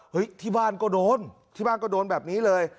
ที่บ้านก็โดนที่บ้านก็โดนแบบนี้เลย